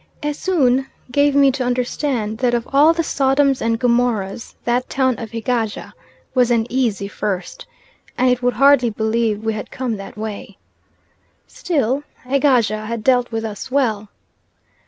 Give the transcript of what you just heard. Esoon gave me to understand that of all the Sodoms and Gomorrahs that town of Egaja was an easy first, and it would hardly believe we had come that way. Still Egaja had dealt with us well.